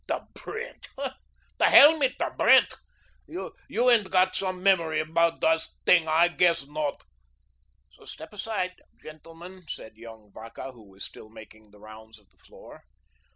Der brendt? To hell mit der brendt. You aindt got some memorie aboudt does ting I guess nodt." "Please step aside, gentlemen," said young Vacca, who was still making the rounds of the floor.